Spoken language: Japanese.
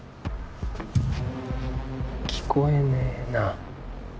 聞こえねーな。